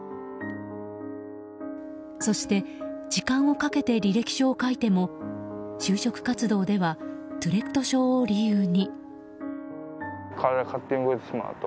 そして、時間をかけて履歴書を書いても就職活動ではトゥレット症を理由に。